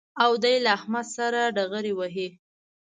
او دی له احمد سره ډغرې وهي